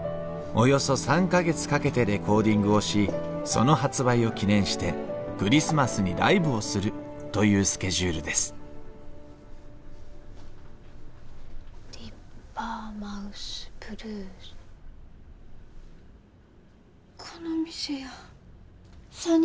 およそ３か月かけてレコーディングをしその発売を記念してクリスマスにライブをするというスケジュールです「ディッパーマウスブルース」。